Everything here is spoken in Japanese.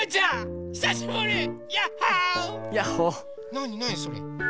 なになにそれ？